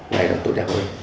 ngày là tốt đẹp hơn